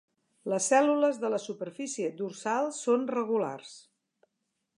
Les cèl·lules de la superfície dorsal són regulars.